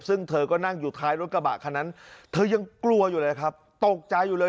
ซึ่งเธอก็นั่งอยู่ท้ายรถกระบะคันนั้นเธอยังกลัวอยู่เลยครับตกใจอยู่เลย